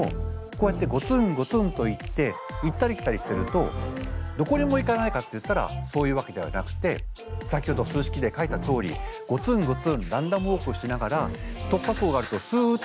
こうやってゴツンゴツンといって行ったり来たりしてるとどこにも行かないかっていったらそういうわけではなくて先ほど数式で書いたとおりゴツンゴツンランダムウォークしながら突破口があるとすっと行く。